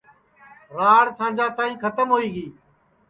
راڑ سانجا تائی کھتم ہوئی گی